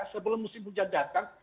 sebelum musim hujan datang